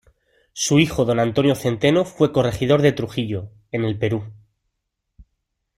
Su hijo don Antonio Centeno fue corregidor de Trujillo, en el Perú.